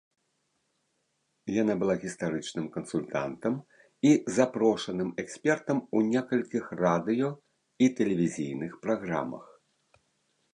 Яна была гістарычным кансультантам і запрошаным экспертам у некалькіх радыё- і тэлевізійных праграмах.